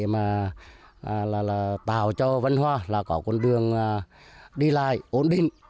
và tạo cho vân hòa là có con đường đi lại ổn định